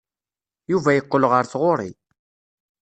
Yuba yeqqel ɣer tɣuri.